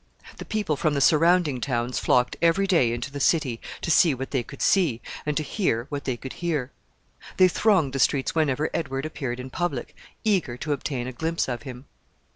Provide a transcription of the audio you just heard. The people from the surrounding towns flocked every day into the city to see what they could see, and to hear what they could hear. They thronged the streets whenever Edward appeared in public, eager to obtain a glimpse of him.